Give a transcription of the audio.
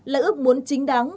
là ước muốn chính đáng